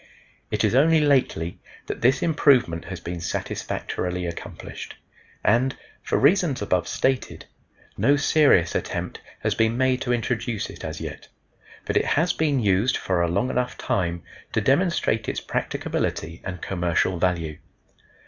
It is only lately that this improvement has been satisfactorily accomplished, and, for reasons above stated, no serious attempt has been made to introduce it as yet; but it has been used for a long enough time to demonstrate its practicability and commercial value.